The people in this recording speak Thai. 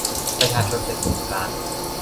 ประชาชนเป็นศูนย์กลาง